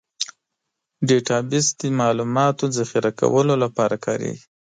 ډیټابیس د معلوماتو ذخیره کولو لپاره کارېږي.